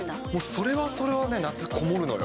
それはそれはね、夏、こもるのよ。